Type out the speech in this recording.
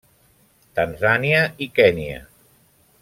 Tanzània i Kenya.